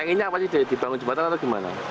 pinginnya apa sih deh dibangun jembatan atau gimana